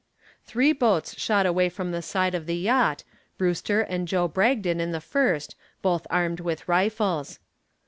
Three boats shot away from the side of the yacht, Brewster and Joe Bragdon in the first, both armed with rifles.